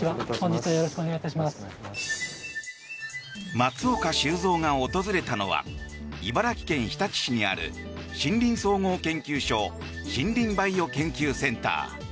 松岡修造が訪れたのは茨城県日立市にある森林総合研究所森林バイオ研究センター。